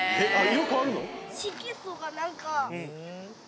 色変わるの？